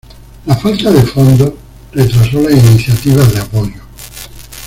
La falta de fondos retrasó las iniciativas de apoyo.